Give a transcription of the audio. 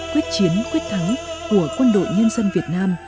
quyết chiến quyết thắng của quân đội nhân dân việt nam